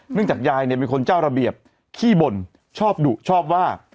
เนื่องจากยายมีคนเจ้าระเบียบขี้บ่นชอบดู่ชอบว่า